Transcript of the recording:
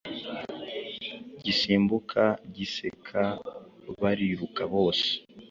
gisimbuka, giseka, bariruka bose